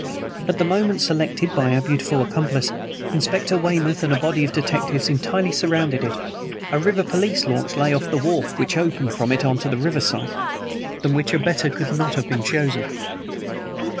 At the moment selected by our beautiful accomplice, Inspector Weymouth and a body of detectives entirely surrounded it; a river police launch lay off the wharf which opened from it on the river side; and this upon a singularly black night, than which a better could not have been chosen.